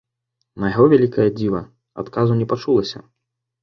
На яго вялікае дзіва, адказу не пачулася.